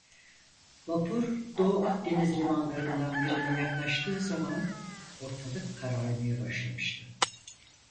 Vapur Doğu Akdeniz limanlarından birine yaklaştığı zaman ortalık kararmaya başlamıştı.